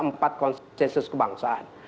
empat konsensus kebangsaan